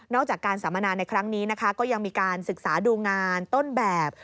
จากการสัมมนาในครั้งนี้นะคะก็ยังมีการศึกษาดูงานต้นแบบ